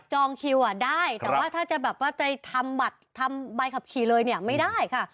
คิวได้แต่ว่าถ้าจะแบบว่าจะทำบัตรทำใบขับขี่เลยเนี่ยไม่ได้ค่ะ